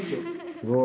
すごい。